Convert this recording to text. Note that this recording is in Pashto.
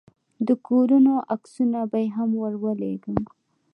د کورونو عکسونه به يې هم ورولېږم.